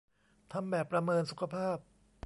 ทำแบบประเมินสุขภาพ